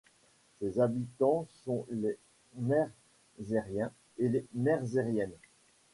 Ses habitants sont les Merzeriens et les Merzeriennes.